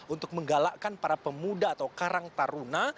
untuk menggalakkan para pemuda atau karang taruna